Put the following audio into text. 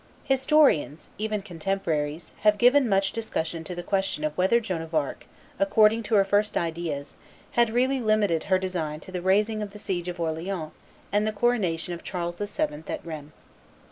Historians, and even contemporaries, have given much discussion to the question whether Joan of Arc, according to her first ideas, had really limited her design to the raising of the siege of Orleans and the coronation of Charles VII. at Rheims.